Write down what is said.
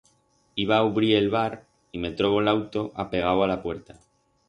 Iba a ubrir el bar y me trobo l'auto apegau a la puerta.